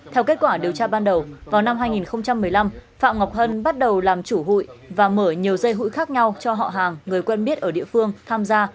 theo kết quả điều tra ban đầu vào năm hai nghìn một mươi năm phạm ngọc hân bắt đầu làm chủ hụi và mở nhiều dây hụi khác nhau cho họ hàng người quen biết ở địa phương tham gia